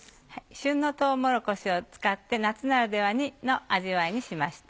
旬のとうもろこしを使って夏ならではの味わいにしました。